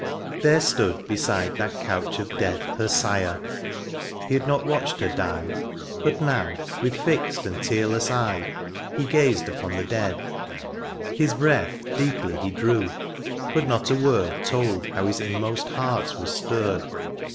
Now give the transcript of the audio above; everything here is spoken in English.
There stood beside that couch of death Her sire : he had not watched her die. But now with fixed and tearless eye, He gazed upon the dead — ^his breath Deeply he drew, but not a word Told how his inmost heart was stirred.